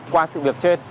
qua sự việc trên